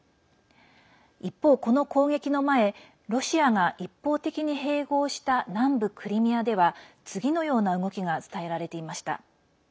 一方、この攻撃の前ロシアが一方的に併合した南部クリミアでは次のような動きが伝えられていました。